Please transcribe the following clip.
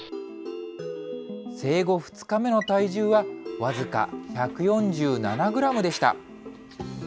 生後２日目の体重は僅か１４７グラムでした。